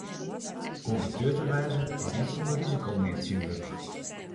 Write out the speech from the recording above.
Kondukteur te wêzen is net sûnder risiko mear tsjintwurdich.